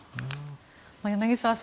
柳澤さん